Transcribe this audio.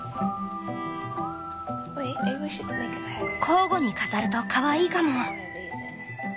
交互に飾るとかわいいかも。